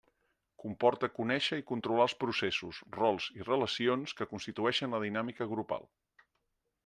Comporta conéixer i controlar els processos, rols i relacions que constitueixen la dinàmica grupal.